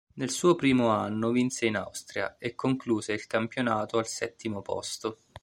Nel suo primo anno vinse in Austria, e concluse il campionato al settimo posto.